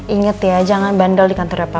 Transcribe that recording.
ingat ya jangan bandel di kantornya papa